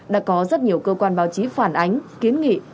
đã có rất nhiều cơ quan báo chí phản ánh kiến nghị về tình trạng mất an toàn này